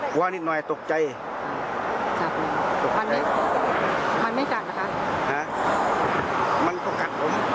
กว้านิดหน่อยตกใจอ๋อจับมันไม่มันไม่จัดนะคะฮะมันก็กัดผม